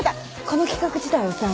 この企画自体をさ